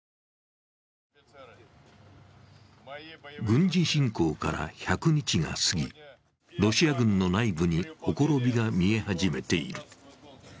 軍事侵攻から１００日が過ぎ、ロシア軍の内部にほころびが見え始めている。